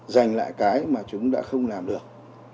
dành lại cái mà chúng đã không làm được